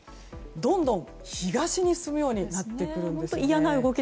どんどん東に進むようになってくるんですね。